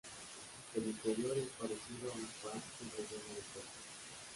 El interior es parecido a un pan con relleno de coco.